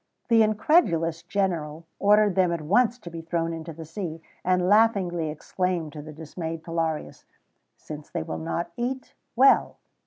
The incredulous general ordered them at once to be thrown into the sea, and laughingly exclaimed to the dismayed Pullarius: "Since they will not eat well!